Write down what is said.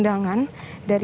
dari angkatan bukit jawa